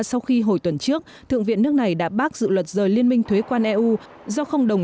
sau khi hồi tuần trước thượng viện nước này đã bác dự luật rời liên minh thuế quan eu do không đồng